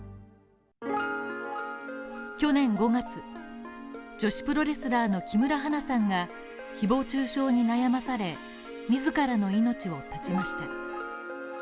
去年５月、女子プロレスラーの木村花さんが誹謗中傷に悩まされ、自らの命を絶ちました。